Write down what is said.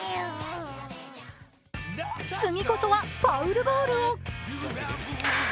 次こそはファウルボールを。